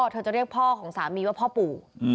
เธอจะเรียกพ่อของสามีว่าพ่อปู่